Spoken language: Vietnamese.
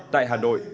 tại hà nội